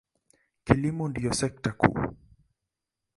Kilimo ndiyo sekta kuu.